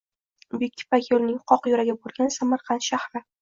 Buyuk Ipak yoʻlining qoq yuragi boʻlgan Samarqand shahri.